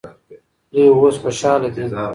دوی اوس خوشحاله دي.